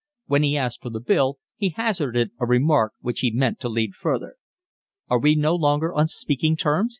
When he asked for the bill, he hazarded a remark which he meant to lead further. "Are we no longer on speaking terms?"